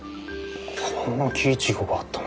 こんなキイチゴがあったなんて。